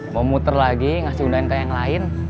mau muter lagi ngasih undangan ke yang lain